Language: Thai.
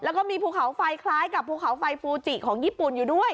แล้วก็มีภูเขาไฟคล้ายกับภูเขาไฟฟูจิของญี่ปุ่นอยู่ด้วย